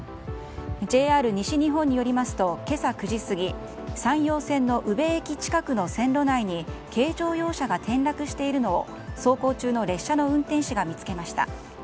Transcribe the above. ＪＲ西日本によりますと今朝９時過ぎ山陽線の宇部駅近くの線路内に軽乗用車が転落しているのを走行中の列車の運転士が見つけました。